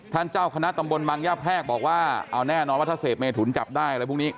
เจ้าคณะตำบลบังย่าแพรกบอกว่าเอาแน่นอนว่าถ้าเสพเมถุนจับได้อะไรพวกนี้